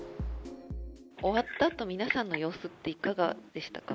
終わったあとの皆さんの様子っていかがでしたか？